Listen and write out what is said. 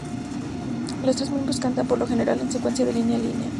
Los tres miembros cantan, por lo general en secuencia de línea a línea.